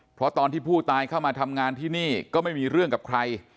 เพราะตอนที่ผู้ตายเข้ามาทำงานที่นี่ก็ไม่มีเรื่องกับใคร